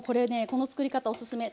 この作り方おすすめ。